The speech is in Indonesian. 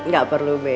gak perlu b